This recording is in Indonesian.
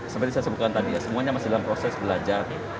seperti saya sebutkan tadi ya semuanya masih dalam proses belajar